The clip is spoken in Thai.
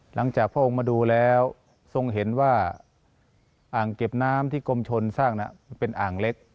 พระองค์มาดูแล้วทรงเห็นว่าอ่างเก็บน้ำที่กรมชนสร้างเป็นอ่างเล็ก